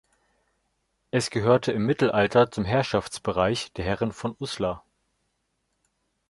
Es gehörte im Mittelalter zum Herrschaftsbereich der Herren von Uslar.